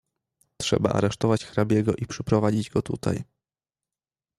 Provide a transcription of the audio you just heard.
"Trzeba aresztować hrabiego i przyprowadzić go tutaj."